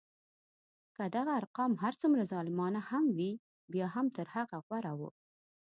که دغه ارقام هر څومره ظالمانه هم وي بیا هم تر هغه غوره وو.